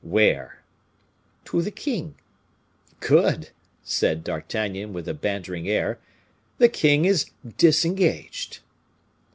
"Where?" "To the king." "Good!" said D'Artagnan, with a bantering air; "the king is disengaged."